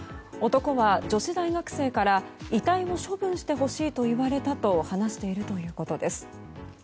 男は女子大学生から遺体を処分してほしいと言われたと話しているということです。